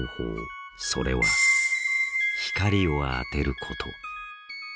それは光を当てること。